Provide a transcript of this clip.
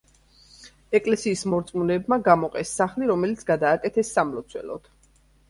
ეკლესიის მორწმუნეებმა გამოყეს სახლი, რომელიც გადააკეთეს სამლოცველოდ.